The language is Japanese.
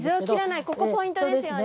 ここポイントですよね。